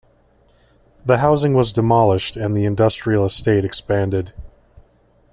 The housing was demolished and the industrial estate expanded.